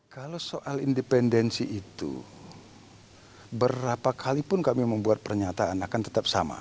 kalau soal independensi itu berapa kalipun kami membuat pernyataan akan tetap sama